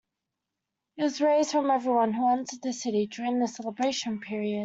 It was raised from everyone who entered the city during the celebration period.